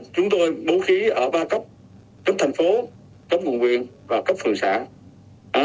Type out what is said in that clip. chúng tôi bố khí ở ba cấp cấp thành phố cấp nguồn nguyện và cấp phường xã